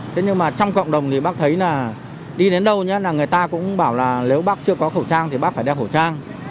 thế nhưng mà trong cộng đồng thì bác thấy là đi đến đâu là người ta cũng bảo là nếu bác chưa có khẩu trang thì bác phải đeo khẩu trang